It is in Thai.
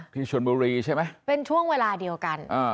ที่ชนบุรีใช่ไหมเป็นช่วงเวลาเดียวกัน